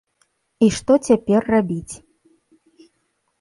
І што цяпер рабіць?